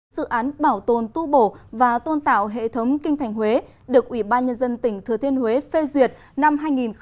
dự án bảo tồn tu bổ và tôn tạo hệ thống kinh thành huế được ủy ban nhân dân tỉnh thừa thiên huế phê duyệt năm hai nghìn một mươi